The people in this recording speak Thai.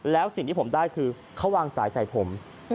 แล้วสิ่งที่ผมได้คือเขาวางสายใส่ผม